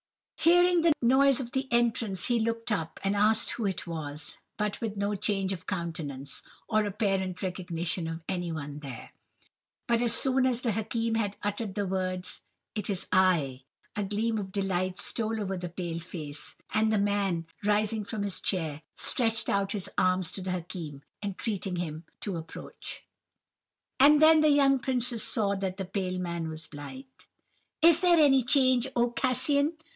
Hearing the noise of the entrance, he looked up, and asked who it was, but with no change of countenance, or apparent recognition of anyone there. But as soon as the Hakim had uttered the words 'It is I,' a gleam of delight stole over the pale face, and the man, rising from his chair, stretched out his arms to the Hakim, entreating him to approach. "And then the young princes saw that the pale man was blind. "'Is there any change, oh Cassian?